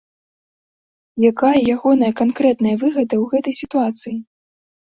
Якая ягоная канкрэтная выгада ў гэтай сітуацыі?